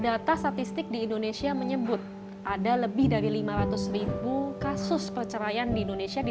data statistik di indonesia menyebut ada lebih dari lima ratus ribu kasus perceraian di indonesia di